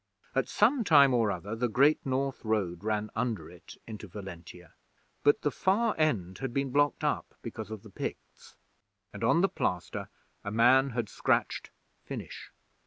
At some time or other the Great North Road ran under it into Valentia; but the far end had been blocked up because of the Picts, and on the plaster a man had scratched, "Finish!"